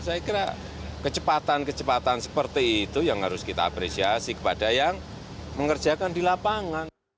saya kira kecepatan kecepatan seperti itu yang harus kita apresiasi kepada yang mengerjakan di lapangan